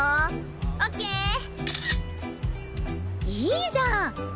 いいじゃん！